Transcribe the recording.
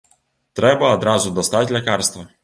Трэба адразу дастаць лякарства.